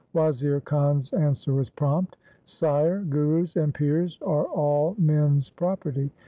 Wazir Khan's answer was prompt —' Sire, gurus and pirs are all men's property.